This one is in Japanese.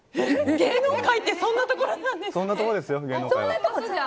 芸能界ってそんなところなんですか。